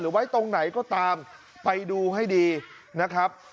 ไว้ตรงไหนก็ตามไปดูให้ดีนะครับ